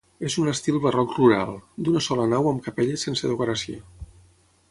En un estil barroc rural, d'una sola nau amb capelles sense decoració.